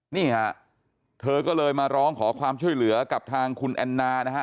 นี่ฮะเธอก็เลยมาร้องขอความช่วยเหลือกับทางคุณแอนนานะฮะ